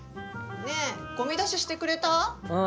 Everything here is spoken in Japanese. ねえごみ出ししてくれた？